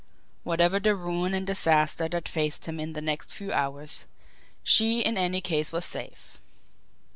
Whatever the ruin and disaster that faced him in the next few hours, she in any case was safe.